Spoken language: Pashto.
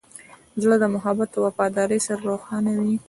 زړه د محبت او وفادارۍ سره روښانه وي.